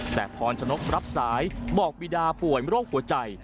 แต่พรชนกรับสายบอกบีดาป่วยโรคหัวใจ